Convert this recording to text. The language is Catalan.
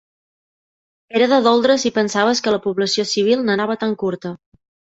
Era de doldre si pensaves que la població civil n'anava tan curta.